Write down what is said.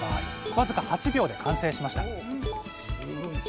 僅か８秒で完成しました。